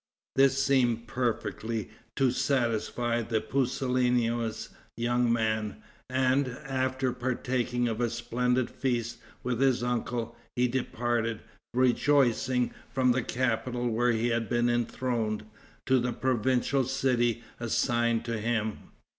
This seemed perfectly to satisfy the pusillanimous young man, and, after partaking of a splendid feast with his uncle, he departed, rejoicing, from the capital where he had been enthroned, to the provincial city assigned to him.